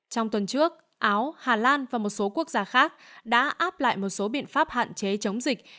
trong tuần trước áo hà lan và một số quốc gia khác đã áp lại một số biện pháp hạn chế chống dịch